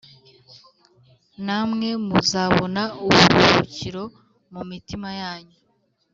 namwe muzabona uburuhukiro mu mitima yanyu